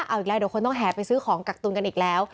เอาอีกแล้วเดี๋ยวคนต้องแห่ไปซื้อของกักตุนกันอีกแล้ว